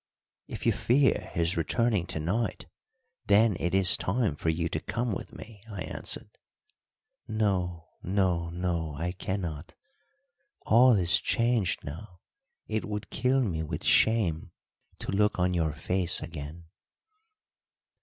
"If you fear his returning to night, then it is time for you to come with me," I answered. "No, no, no, I cannot. All is changed now. It would kill me with shame to look on your face again."